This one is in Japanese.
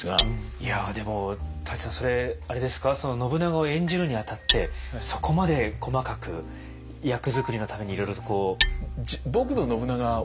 いやでも舘さんそれあれですか信長を演じるにあたってそこまで細かく役作りのためにいろいろとこう。